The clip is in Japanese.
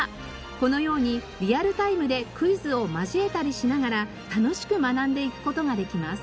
このようにリアルタイムでクイズを交えたりしながら楽しく学んでいく事ができます。